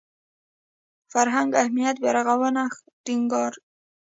فرهنګ اهمیت بیارغاونې ټینګار